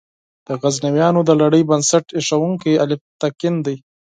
د غزنویانو د لړۍ بنسټ ایښودونکی الپتکین دی.